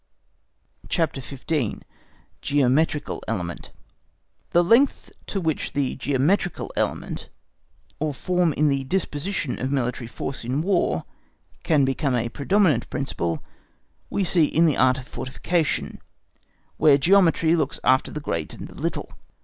CHAPTER XV. Geometrical Element The length to which the geometrical element or form in the disposition of military force in War can become a predominant principle, we see in the art of fortification, where geometry looks after the great and the little.